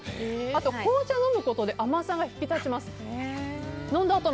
あと、紅茶を飲むことで甘さが引き立ちます。